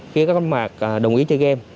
khi các con bạc đồng ý chơi game